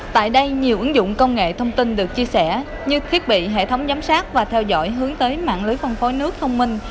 tại đây nhiều ứng dụng công nghệ thông tin được chia sẻ như thiết bị hệ thống giám sát và theo dõi hướng tới mạng lưới phân phối nước thông minh